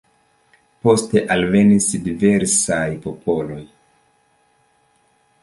Poste alvenis diversaj popoloj.